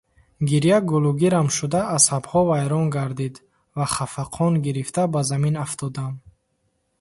Гиря гулӯгирам шуда, асабҳо вайрон гардид ва хафақон гирифта, ба замин афтодам.